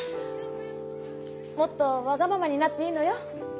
もっとわがままになっていいのよ